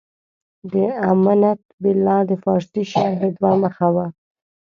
د امنت بالله د پارسي شرحې دوه مخه و.